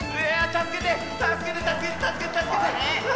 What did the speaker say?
たすけてたすけてたすけてたすけて！